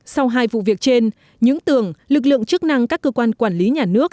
sau hai vụ việc trên những tường lực lượng chức năng các cơ quan quản lý nhà nước